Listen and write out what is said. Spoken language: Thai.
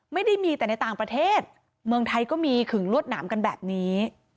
ไม่ได้มีแต่ในต่างประเทศเมืองไทยก็มีขึงลวดหนามกันแบบนี้